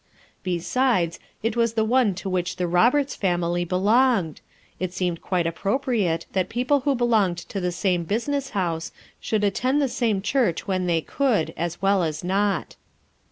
Besides, it was the one to which the Koberts family be longed; it seemed quite appropriate that people who belonged to the same business house should attend the same church when they could as well as not.